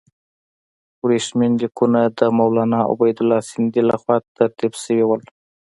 ورېښمین لیکونه د مولنا عبیدالله سندي له خوا ترتیب شوي وو.